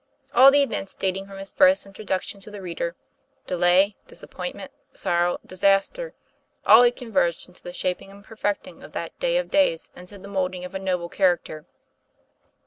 All the events dating from his first introduction to the reader delay, disappointment, sorrow, disaster all had converged into the shaping and perfecting of that "day of days," into the moulding of a noble character.